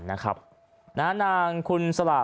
นะครับนางคุณสลาก